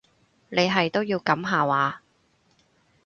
你係都要噉下話？